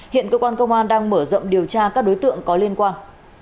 hiện cơ quan công an đang mở rộng điều tra các đối tượng có liên quan